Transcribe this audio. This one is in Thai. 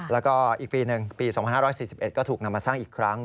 แล้วก็อีกปีหนึ่งปี๒๕๔๑ก็ถูกนำมาสร้างอีกครั้ง